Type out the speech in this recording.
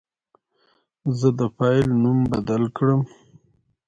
زه د فایل نوم بدل کوم.